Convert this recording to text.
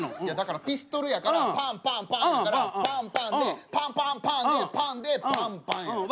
いやだから「ピストル」やから「パンパンパン」やからパンパンで「パンパンパン」で「パン」でパンパンや。